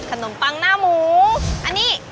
คนน้ำปั้นหน้าหมูอันนี้